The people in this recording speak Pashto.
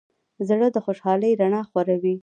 زړه د خوشحالۍ رڼا خوروي.